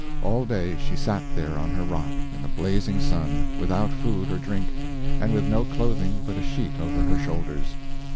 All day she sat there on her rock in the blazing sun without food or drink, and with no clothing but a sheet over her shoulders.